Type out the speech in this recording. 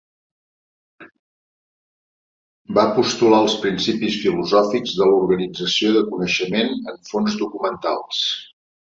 Va postular els principis filosòfics de l'organització de coneixement en fons documentals.